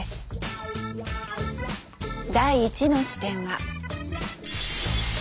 第１の視点は。